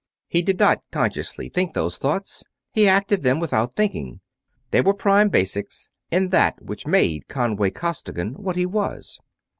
He did not consciously think those thoughts. He acted them without thinking; they were prime basics in that which made Conway Costigan what he was.